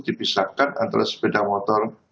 dipisahkan antara sepeda motor